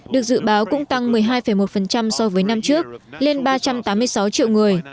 được dự báo cũng tăng một mươi hai một so với năm trước lên ba trăm tám mươi sáu triệu người